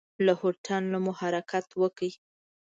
له هوټل نه مو حرکت وکړ.